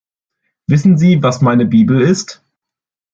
Wissen Sie, was meine Bibel ist?